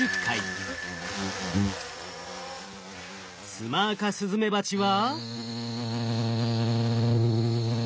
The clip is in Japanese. ツマアカスズメバチは。